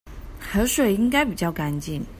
河水應該比較乾淨